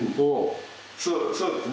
そうそうですね。